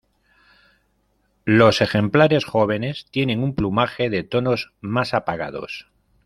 Los ejemplares jóvenes tienen un plumaje de tonos más apagados.